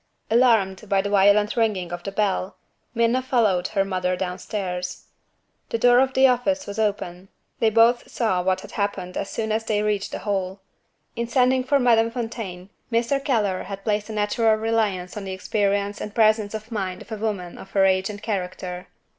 Alarmed by the violent ringing of the bell, Minna followed her mother downstairs. The door of the office was open; they both saw what had happened as soon as they reached the hall. In sending for Madame Fontaine, Mr. Keller had placed a natural reliance on the experience and presence of mind of a woman of her age and character.